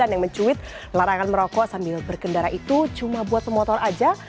yang mencuit larangan merokok sambil berkendara itu cuma buat pemotor aja